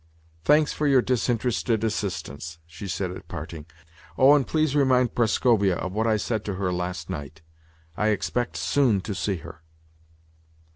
"Thanks for your disinterested assistance," she said at parting. "Oh, and please remind Prascovia of what I said to her last night. I expect soon to see her."